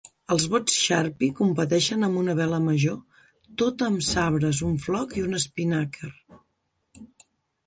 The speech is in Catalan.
Els bots Sharpie competeixen amb una vela major tota amb sabres, un floc i un espinàquer.